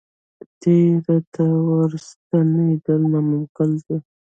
تېر ته ورستنېدل ناممکن دي.